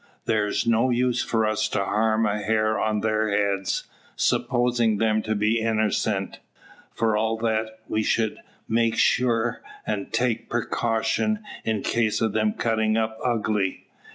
"'Thar's no use for us to harm a hair on thar beads, supposin' them to be innercent. For all thet, we shed make sure, an' take preecaushin in case o' them cuttin' up ugly.